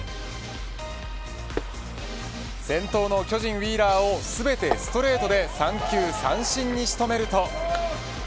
先頭の巨人ウィーラーを全てストレートで３球三振に仕留めると。